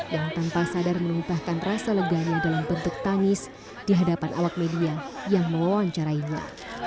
yang tanpa sadar mengubahkan rasa leganya dalam bentuk tangis di hadapan awak media yang mewawancarainya